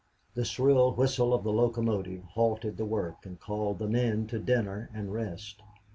The shrill whistle of the locomotive halted the work and called the men to dinner and rest.